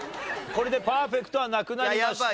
これでパーフェクトはなくなりました。